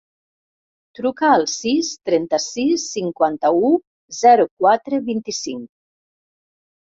Truca al sis, trenta-sis, cinquanta-u, zero, quatre, vint-i-cinc.